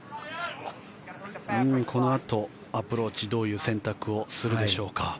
このあとアプローチどういう選択をするでしょうか。